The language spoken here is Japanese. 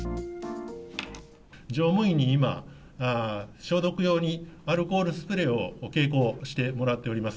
乗務員に今、消毒用にアルコールスプレーを携行してもらっております。